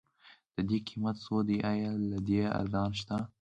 ددې قيمت څو دی؟ ايا له دې ارزان شته؟